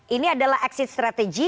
ini adalah exit strategi